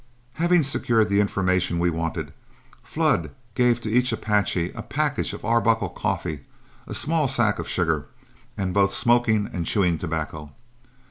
Having secured the information we wanted, Flood gave to each Apache a package of Arbuckle coffee, a small sack of sugar, and both smoking and chewing tobacco.